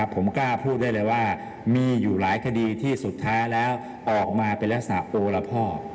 ผมกล้าพูดได้เลยว่ามีอยู่หลายคดีที่สุดท้ายแล้วออกมาเป็นลักษณะโอละพ่อ